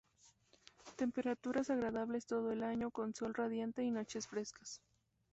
Temperaturas agradables todo el año, con un sol radiante y noches frescas.